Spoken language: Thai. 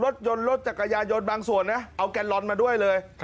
รถยนต์รถจักรยายนบางส่วนนะเอาแกนลอนมาด้วยเลย